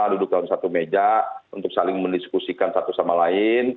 duduk dalam satu meja untuk saling mendiskusikan satu sama lain